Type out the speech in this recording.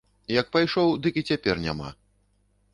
Як пайшоў, дык і цяпер няма.